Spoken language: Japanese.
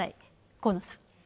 河野さん。